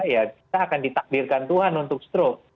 ya kita akan ditakdirkan tuhan untuk stroke